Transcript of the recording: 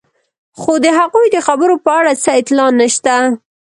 خو د هغوی د خبرو په اړه څه اطلاع نشته.